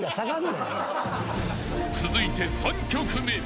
［続いて３曲目］